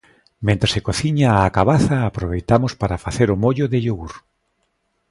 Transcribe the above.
Mentres se cociña a cabaza aproveitamos para facer o mollo de iogur.